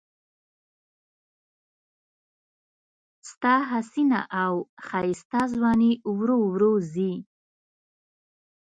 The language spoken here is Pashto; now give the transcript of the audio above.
ستا حسینه او ښایسته ځواني ورو ورو ځي